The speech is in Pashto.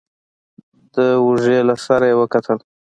د اوږې له سره يې وکتل.